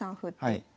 はい。